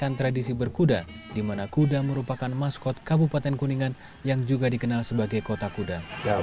dengan tradisi berkuda di mana kuda merupakan maskot kabupaten kuningan yang juga dikenal sebagai kota kuda